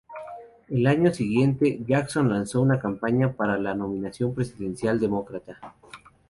Al año siguiente, Jackson lanzó una campaña para la nominación presidencial demócrata.